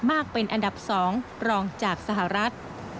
มากเป็นอันดับ๒รองจากสหรัฐ